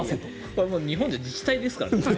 日本じゃ自治体ですからね。